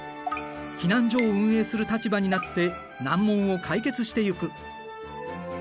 避難所を運営する立場になって難問を解決していく。